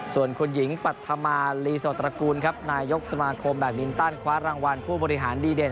ส่วนคุณหญิงปัธมาลีโสตระกูลครับนายกสมาคมแบบมินตันคว้ารางวัลผู้บริหารดีเด่น